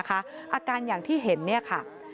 อาการอย่างที่เห็นเนี่ยค่ะ